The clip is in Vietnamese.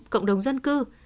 cộng đồng dân cư